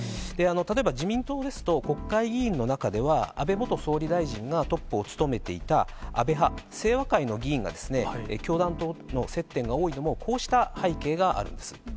例えば自民党ですと、国会議員の中では、安倍元総理大臣がトップを務めていた安倍派・清和会の議員が、教団との接点が多いのも、こうした背景があるんです。